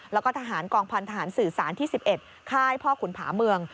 แล้วก็ทหารกองพันธหารสื่อสารที่๑๑ค่ายพ่อขุนผาเมือง